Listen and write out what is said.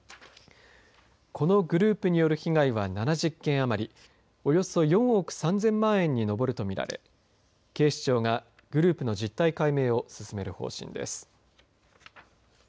このグループによる被害は７０件余りおよそ４億３０００万円に上ると見られ警視庁がグループの実態解明を進める方針です。